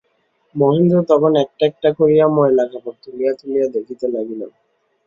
মহেন্দ্র তখন একটা একটা করিয়া ময়লা কাপড় তুলিয়া তুলিয়া দেখিতে লাগিল।